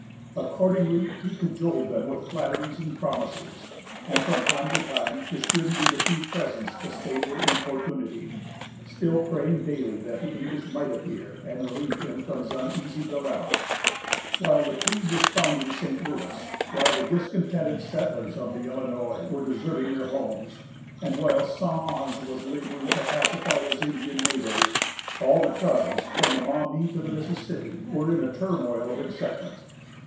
Accordingly, he cajoled them with flatteries and promises, and from time to time distributed a few presents to stay their importunity, still praying daily that the English might appear and relieve him from his uneasy dilemma. While Laclede was founding St. Louis, while the discontented settlers of the Illinois were deserting their homes, and while St. Ange was laboring to pacify his Indian neighbors, all the tribes from the Maumee to the Mississippi were in a turmoil of excitement.